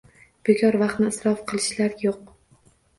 Bekor vaqtni isrof qilshlar yo'q.